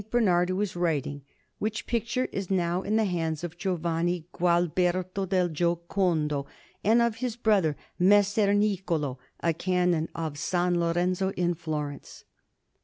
Bernard who is writing; which picture is now in the hands of Giovanni Gualberto del Giocondo, and of his brother Messer Niccolò, a Canon of S. Lorenzo in Florence.